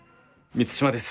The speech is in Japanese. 満島です。